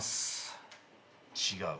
違う？